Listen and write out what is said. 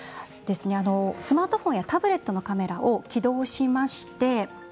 スマートフォンやタブレットのカメラを起動しまして。